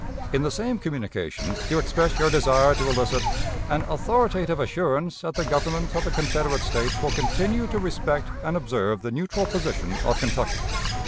In the same communication you express your desire to elicit 'an authoritative assurance that the Government of the Confederate States will continue to respect and observe the neutral position of Kentucky.'